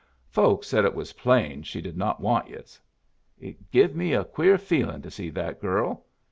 Folks said it was plain she did not want yus. It give me a queer feelin' to see that girl.